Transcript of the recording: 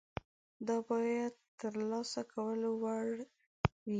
دا باید د ترلاسه کولو وړ وي.